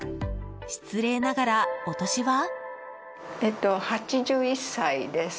失礼ながら、お年は？